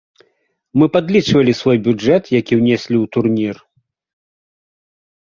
Мы падлічвалі свой бюджэт, які ўнеслі ў турнір.